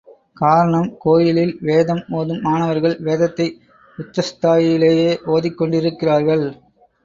காரணம் கோயிலில் வேதம் ஓதும் மாணவர்கள் வேதத்தை உச்சஸ்தாயியிலே ஓதிக் கொண்டிருக்கிறார்கள்.